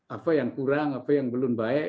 apa yang kurang apa yang belum baik